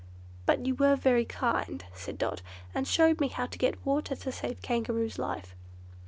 "But you were very kind," said Dot, "and showed me how to get water to save Kangaroo's life."